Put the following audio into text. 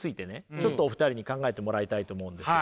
ちょっとお二人に考えてもらいたいと思うんです。